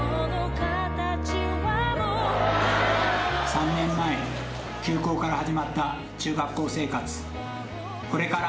３年前休校から始まった中学校生活。